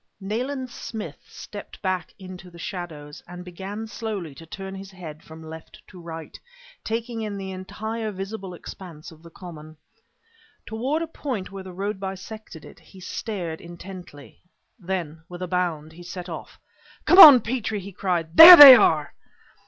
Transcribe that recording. Nayland Smith stepped back into the shadows, and began slowly to turn his head from left to right, taking in the entire visible expanse of the common. Toward a point where the road bisected it he stared intently. Then, with a bound, he set off. "Come on, Petrie!" he cried. "There they are!"